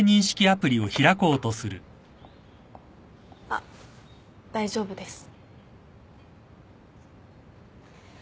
あっ大丈夫です。